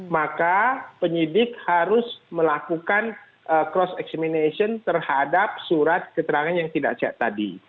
maka penyidik harus melakukan cross examination terhadap surat keterangan yang tidak sehat tadi